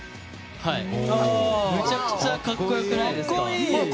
めちゃくちゃ格好良くないですか？